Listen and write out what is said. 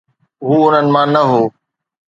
هو انهن مان نه هو.